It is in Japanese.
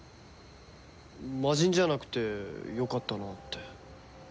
魔人じゃなくてよかったなって。